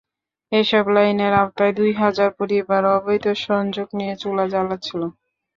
এসব লাইনের আওতায় দুই হাজার পরিবার অবৈধ সংযোগ নিয়ে চুলা জ্বালাচ্ছিল।